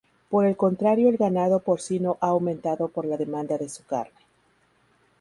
Por el contrario el ganado porcino ha aumentado por la demanda de su carne.